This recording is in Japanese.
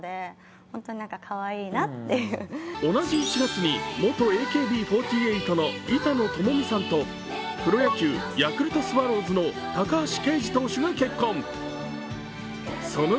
同じ１月に元ＡＫＢ４８の板野友美さんとプロ野球、ヤクルトスワローズの高橋投手が結婚。